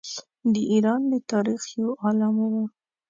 د ایران د تاریخ یو عالم وو.